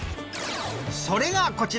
それがこちら。